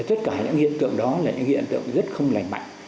tất cả những hiện tượng đó là những hiện tượng rất không lành mạnh